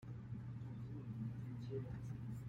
在復健及照護都可應用